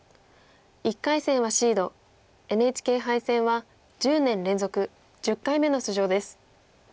１回戦はシードＮＨＫ杯戦は１０年連続１０回目の出場です。